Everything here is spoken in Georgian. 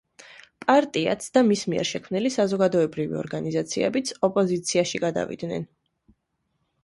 პარტიაც და მის მიერ შექმნილი საზოგადოებრივი ორგანიზაციებიც ოპოზიციაში გადავიდნენ.